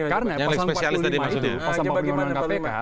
karena pasal empat puluh lima itu pasal empat puluh lima undang undang kpk